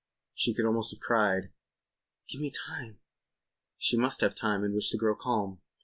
She could almost have cried: "Give me time." She must have time in which to grow calm.